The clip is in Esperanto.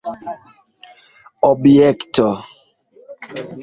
objekto